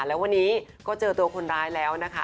แล้ววันนี้ก็เจอตัวคนร้ายแล้วนะคะ